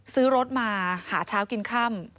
ซื้อรถมาหาเช้ากินค่ำ